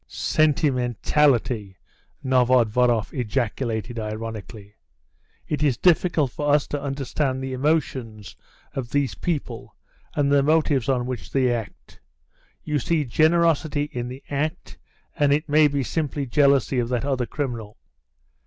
"Sentimentality!" Novodvoroff ejaculated ironically; "it is difficult for us to understand the emotions of these people and the motives on which they act. You see generosity in the act, and it may be simply jealousy of that other criminal."